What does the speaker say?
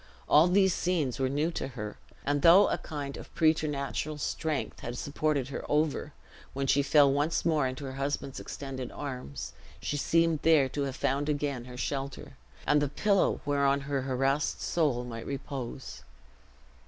All these scenes were new to her; and though a kind of preternatural strength had supported her over, when she fell once more into her husband's extended arms, she seemed there to have found again her shelter, and the pillow whereon her harassed soul might repose.